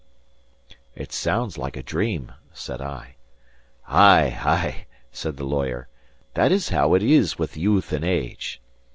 "It sounds like a dream," said I. "Ay, ay," said the lawyer, "that is how it is with youth and age.